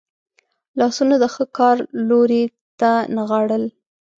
لاسونه د ښه کار لوري ته نغاړل.